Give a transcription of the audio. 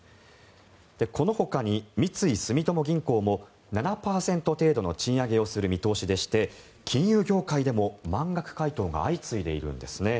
このほかに三井住友銀行も７％程度の賃上げをする見通しでして金融業界でも満額回答が相次いでいるんですね。